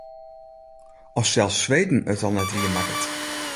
As sels Sweden it al net wiermakket.